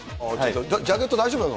ジャケット大丈夫なの？